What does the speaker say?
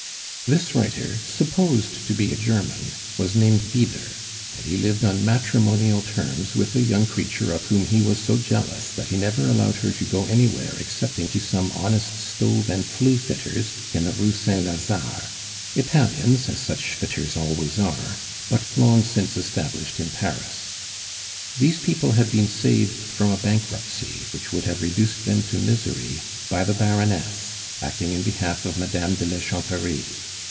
This writer, supposed to be a German, was named Vyder, and he lived on matrimonial terms with a young creature of whom he was so jealous that he never allowed her to go anywhere excepting to some honest stove and flue fitters, in the Rue Saint Lazare, Italians, as such fitters always are, but long since established in Paris. These people had been saved from a bankruptcy, which would have reduced them to misery, by the Baroness, acting in behalf of Madame de la Chanterie.